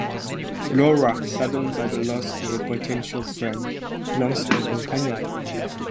Laura, saddened by the loss of a potential friend, longs for a companion.